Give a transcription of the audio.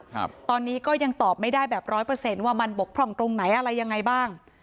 ครับตอนนี้ก็ยังตอบไม่ได้แบบร้อยเปอร์เซ็นต์ว่ามันบกพร่องตรงไหนอะไรยังไงบ้าง